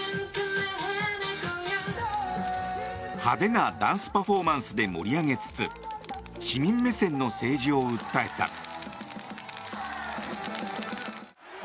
派手なダンスパフォーマンスで盛り上げつつ市民目線の政治を訴えた。